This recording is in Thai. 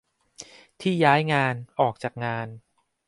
ที่ย้ายงาน ออกจากงาน